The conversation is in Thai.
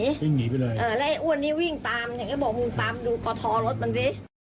เออแล้วให้อ้วนนี้วิ่งตามเนี่ยก็บอกมึงตามดูก่อท้อรถมันสิ